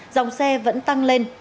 dòng xe vẫn tăng lên